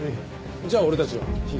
じゃあ俺たちは東。